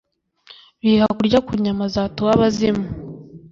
biha kurya ku nyama zatuwe abazimu